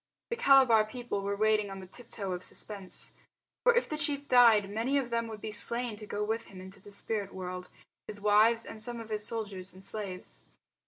The Calabar people were waiting on the tip toe of suspense. For if the chief died many of them would be slain to go with him into the spirit world his wives and some of his soldiers and slaves.